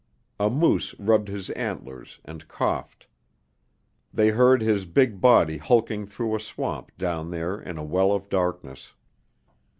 A moose rubbed his antlers and coughed. They heard his big body hulking through a swamp down there in a well of darkness.